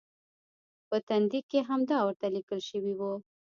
په تندي کې همدا ورته لیکل شوي و.